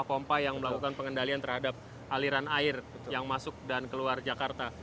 pompa yang melakukan pengendalian terhadap aliran air yang masuk dan keluar jakarta